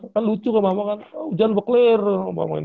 kan lucu kan mama kan ujian bekuin